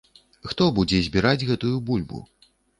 Хто будзе збіраць гэтую бульбу?